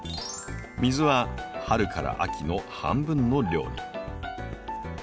水は春から秋の半分の量に。